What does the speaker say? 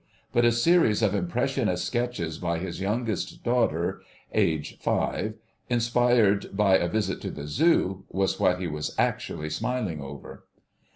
But a series of impressionist sketches by his youngest daughter (ætat. 5), inspired by a visit to the Zoo, was what he was actually smiling over.